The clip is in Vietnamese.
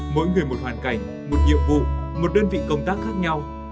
mỗi người một hoàn cảnh một nhiệm vụ một đơn vị công tác khác nhau